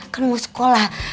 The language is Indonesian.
kan mau sekolah